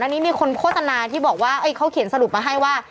อันนี้มีคนโฆษณาที่บอกว่าเขาเขียนสรุปมาให้ว่า